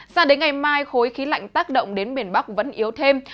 sao đến ngày mai khối khí lạnh tác động đến miền bắc vẫn yếu thêm